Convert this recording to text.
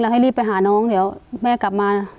ให้รีบไปหาน้องเดี๋ยวแม่กลับมา